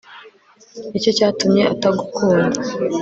ni cyo cyatumye atagukunda'